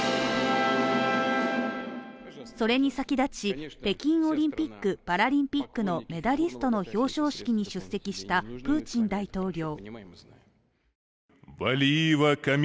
それに先立ち、北京オリンピック・パラリンピックのメダリストの表彰式に出席したプーチン大統領。